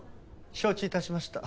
承知致しました。